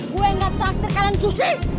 gue gak traktir kalian cusi